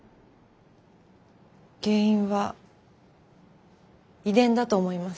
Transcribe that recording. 原因は遺伝だと思います。